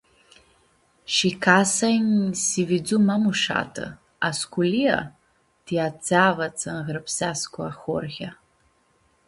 Shi casa nj-si vidzu ma mushatã, a sculia…ti atsea va tsã ãnyrãpsescu ahoryea.